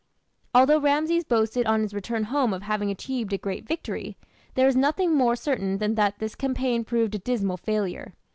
Although Rameses boasted on his return home of having achieved a great victory, there is nothing more certain than that this campaign proved a dismal failure.